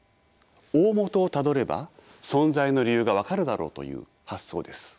大本をたどれば存在の理由が分かるだろうという発想です。